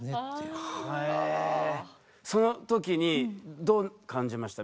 そのときにどう感じました？